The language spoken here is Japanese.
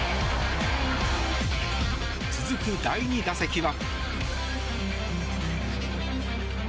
続く第２打席は。